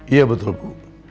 iya betul bu